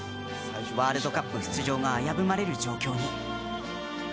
ワールドカップ出場が危ぶまれる状況に。